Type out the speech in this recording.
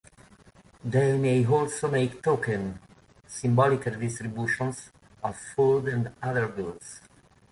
They may also make token, symbolic redistributions of food and other goods.